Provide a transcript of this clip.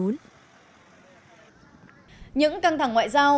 những căng thẳng ngoại giao